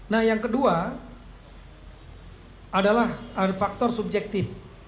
nah yang kedua adalah faktor subjektif